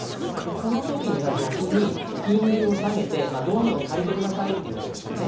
この時には逆に金利を下げてどんどん借りてくださいって言うわけですよね。